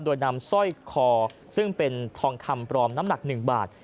โดยนำสร้อยคอซึ่งเป็นทองคำปลอมน้ำหนัก๑บาท